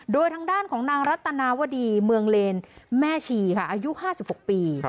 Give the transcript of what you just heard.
โดยทางด้านของนางรัตนาวดีเมืองเลนแม่ชีค่ะอายุ๕๖ปี